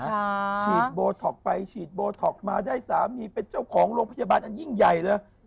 ฉีดโบท็อกไปฉีดโบท็อกมาได้สามีเป็นเจ้าของโรงพยาบาลอันยิ่งใหญ่เลย